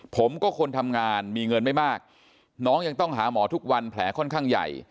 ผมก็คนทำงานมีเงินไม่มากน้องยังต้องหาหมอทุกวันแผลค่อนข้างใหญ่